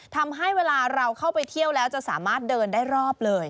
ทำให้เวลาเราเข้าไปเที่ยวแล้วจะสามารถเดินได้รอบเลย